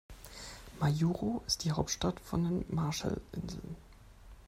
Majuro ist die Hauptstadt von den Marshallinseln.